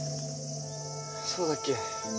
そうだっけ？